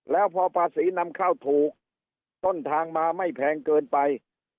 แล้วพอภาษีนำเข้าถูกต้นทางมาไม่แพงเกินไป